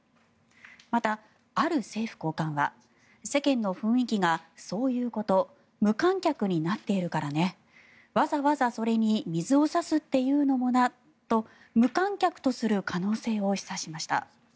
また、ある政府高官は世間の雰囲気がそういうこと無観客になっているからねわざわざ、それに水を差すっていうのもなと無観客とする可能性を示唆しました。